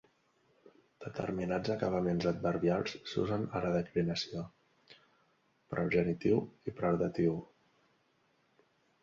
Determinats acabaments adverbials s'usen a la declinació: per al genitiu i per al datiu.